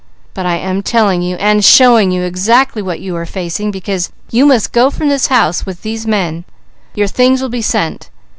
But I am telling you, and showing you exactly what you are facing, because you must go from this house with these men; your things will be sent.